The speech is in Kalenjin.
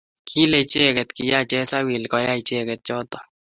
kile icheke kiyei chesawil koyai icheke choto